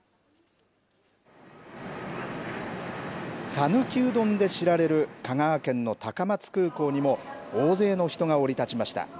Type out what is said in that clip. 讃岐うどんで知られる香川県の高松空港にも、大勢の人が降り立ちました。